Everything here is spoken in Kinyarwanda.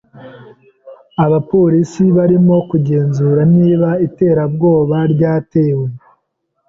Abapolisi barimo kugenzura niba iterabwoba ryatewe.